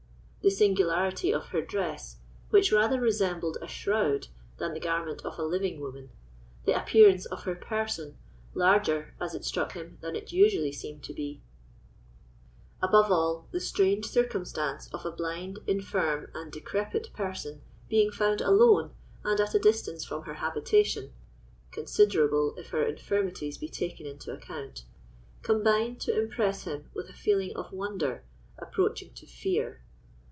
The singularity of her dress, which rather resembled a shroud than the garment of a living woman; the appearance of her person, larger, as it struck him, than it usually seemed to be; above all, the strange circumstance of a blind, infirm, and decrepit person being found alone and at a distance from her habitation (considerable, if her infirmities be taken into account), combined to impress him with a feeling of wonder approaching to fear.